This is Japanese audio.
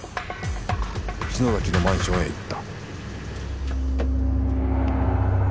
篠崎のマンションへ行った。